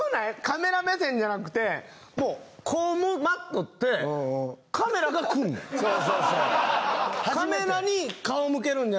カメラ目線じゃなくて、こう待っとってカメラが来んねん。